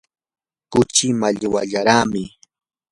kuchii mallwallaraami.